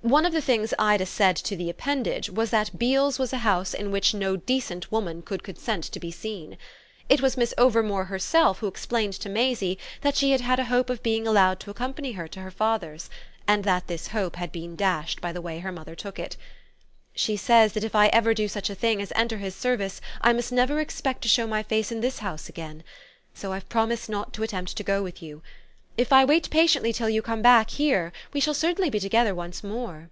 One of the things Ida said to the appendage was that Beale's was a house in which no decent woman could consent to be seen. It was Miss Overmore herself who explained to Maisie that she had had a hope of being allowed to accompany her to her father's, and that this hope had been dashed by the way her mother took it. "She says that if I ever do such a thing as enter his service I must never expect to show my face in this house again. So I've promised not to attempt to go with you. If I wait patiently till you come back here we shall certainly be together once more."